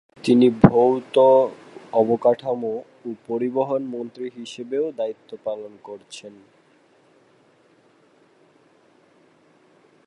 তিনি ভৌত অবকাঠামো ও পরিবহন মন্ত্রী হিসেবেও দায়িত্ব পালন করেছেন।